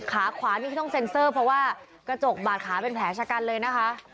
ขาขวานี่ที่ต้องเซ็นเซอร์เพราะว่ากระจกบาดขาเป็นแผลชะกันเลยนะคะ